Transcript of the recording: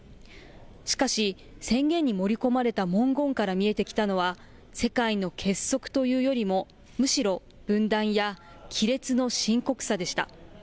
しかし、宣言に盛り込まれた文言から見えてきたのは、世界の結束というよりも、むしろ分断や亀裂の深刻さでした。